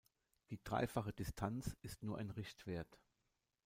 Die dreifache Distanz ist nur ein Richtwert.